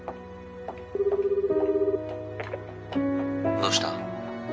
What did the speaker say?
どうした？